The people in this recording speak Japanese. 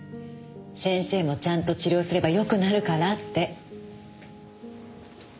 先生もちゃんと治療すればよくなるからって。